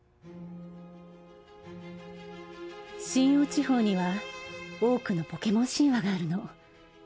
シンオウ地方には多くのポケモン神話があるの。